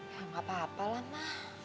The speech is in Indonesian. ya gak apa apa lah ma